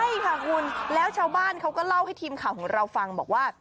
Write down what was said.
ใช่ค่ะคุณแล้วชาวบ้านเขาก็เล่าให้ทีมข่าวของเราฟังบอกว่า